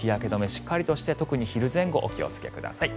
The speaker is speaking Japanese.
しっかりとして、特に昼前後お気をつけください。